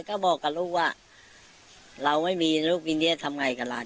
ก็บอกกับลูกว่าเราไม่มีลูกมีเดียทำไงกับหลาน